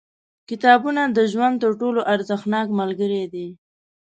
• کتابونه د ژوند تر ټولو ارزښتناک ملګري دي.